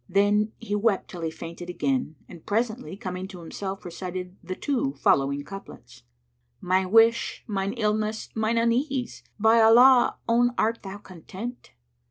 Then he wept till he fainted again, and presently coming to himself recited the two following couplets, "My wish, mine illness, mine unease! by Allah, own * Art thou content?